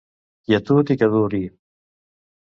Quietud i que duri!